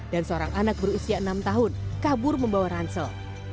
dan seorang anak berusia enam tahun kabur membawa ransel